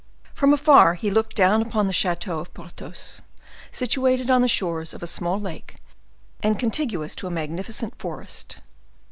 From afar he looked down upon the chateau of Porthos, situated on the shores of a small lake, and contiguous to a magnificent forest.